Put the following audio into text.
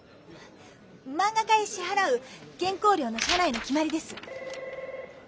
マンガ家へしはらう原稿料の社内の決まりです。